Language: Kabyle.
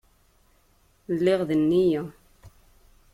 Lliɣ d nneyya.